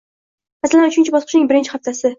Masalan, uchinchi bosqichning birinchi haftasi